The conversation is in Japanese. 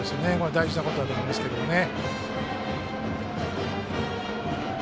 大事なことだと思いますけどね。